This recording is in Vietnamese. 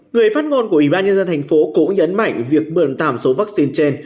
người phát ngôn của ủy ban nhân dân tp hcm cũng nhấn mạnh việc mượn tạm số vaccine trên